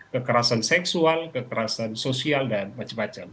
kekerasan seksual kekerasan sosial dan macam macam